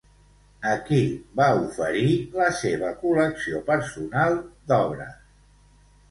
A qui va oferir la seva col·lecció personal d'obres?